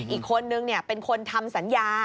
อีกคนนึงเป็นคนทำสัญญา